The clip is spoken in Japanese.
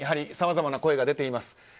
さまざまな声が出ています。